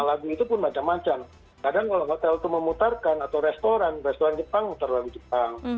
lagu itu pun macam macam kadang kalau hotel itu memutarkan atau restoran restoran jepang mutar lagu jepang